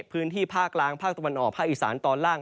พื้นที่ภาคกลางภาคตะวันออกภาคอีสานตอนล่าง